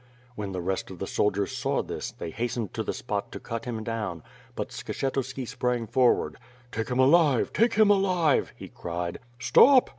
When the rest of the soldiers saw this, they hastened to the spot to cut him down, but Skshetuski sprang forward. "Take him alive! Take him alive!" he cried. "Stop!"